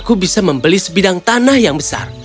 aku bisa membeli sebidang tanah yang besar